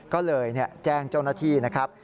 ก็เลยแจ้งเจ้าหน้าที่นะครับ